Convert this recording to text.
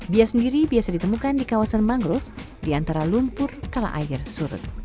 bias sendiri biasa ditemukan di kawasan mangrove di antara lumpur kala air surut